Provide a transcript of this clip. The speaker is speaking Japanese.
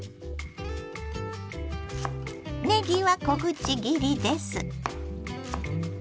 ねぎは小口切りです。